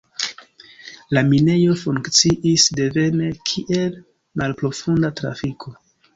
La minejo funkciis devene kiel malprofunda trafiko.